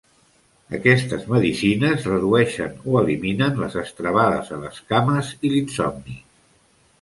Aquestes medicines redueixen o eliminen les estrebades a les cames i l'insomni.